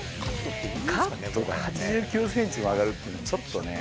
カットが８９センチも曲がるって、ちょっとね。